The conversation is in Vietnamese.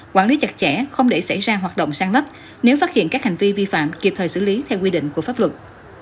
quản lý chặt chẽ không để xảy ra hoạt động săn lấp nếu phát hiện các hành vi vi phạm kịp thời xử lý theo quy định của pháp luật